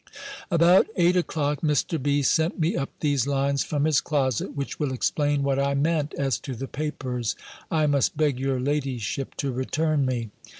About eight o'clock Mr. B. sent me up these lines from his closet, which will explain what I meant, as to the papers I must beg your ladyship to return me.